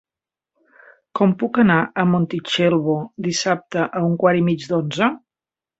Com puc anar a Montitxelvo dissabte a un quart i mig d'onze?